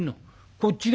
こっちだ。